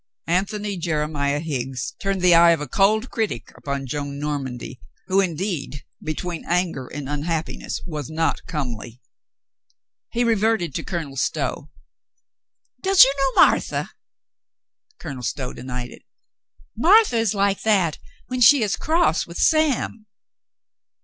Antony Jeremiah Higgs turned the eye of a cold critic upon Joan Normandy, who indeed, between anger and unhappiness, was not comely. He revert ed to Colonel Stow. "Does you know Martha?" Colonel Stow denied it. "Martha is like that when she is cross with Sam."